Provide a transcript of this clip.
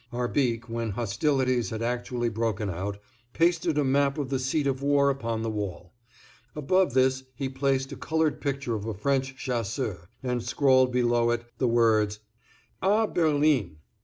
Arbique, when hostilities had actually broken out, pasted a map of the seat of war upon the wall; above this he placed a colored picture of a French chasseur, and scrawled below it the words "_A Berlin!